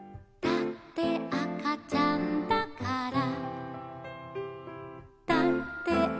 「だってあかちゃんだから」